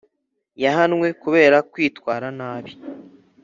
Yahanwe kubera kwitwara nabi